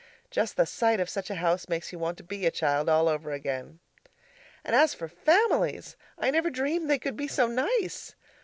Just the sight of such a house makes you want to be a child all over again. And as for families! I never dreamed they could be so nice.